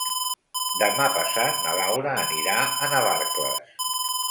Demà passat na Laura anirà a Navarcles.